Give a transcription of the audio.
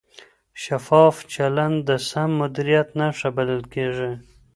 شفاف چلند د سم مدیریت نښه بلل کېږي.